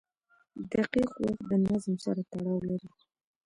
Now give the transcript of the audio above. • دقیق وخت د نظم سره تړاو لري.